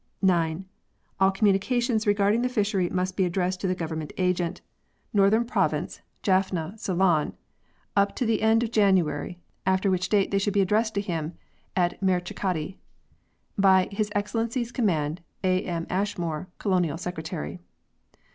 All communications regarding the fishery must be addressed to the Government Agent, vi] A CEYLON PEARL FISHERY 73 Northern Province, Jaffna, Ceylon, up to the end of January, after which date they should be addressed to him at Marichchikkaddi. " By His Excellency's Command, "A. M. ASHMORE, " Colonial Secretary.